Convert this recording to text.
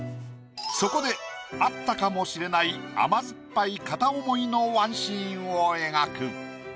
そこであったかもしれない甘酸っぱい片思いのワンシーンを描く。